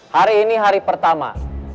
hari ini hari pertama